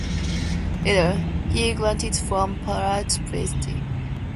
Later, he graduated from Pratt Institute.